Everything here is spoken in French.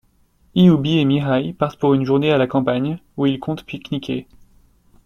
Iubi et Mihai partent pour une journée à la campagne, où ils comptent pique-niquer.